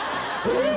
えっ！？